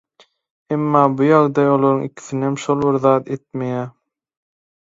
Emma bu ýagdaý olaryň ikisinem şol bir zat etmeýär.